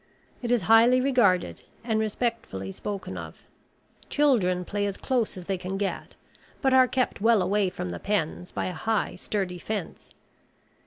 It is highly regarded and respectfully spoken of. Children play as close as they can get, but are kept well away from the pens by a high, sturdy fence.